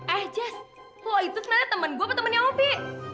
eh jess lo itu sebenernya temen gue apa temennya opi